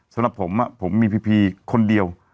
สำหรับผมผมมีพีคนเดียว